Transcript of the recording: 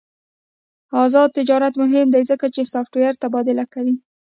آزاد تجارت مهم دی ځکه چې سافټویر تبادله کوي.